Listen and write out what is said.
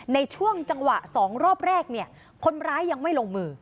ในช่วงจังหวะ๒รอบแรกเนี่ยคนร้ายยังไม่ลงมือ